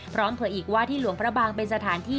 เผยอีกว่าที่หลวงพระบางเป็นสถานที่